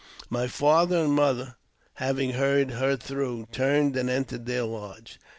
|l My father and mother, having heard her through, turned and entered their lodge.